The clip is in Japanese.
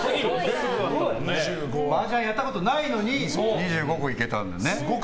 マージャンやったことないのに２５個いけたんだよね。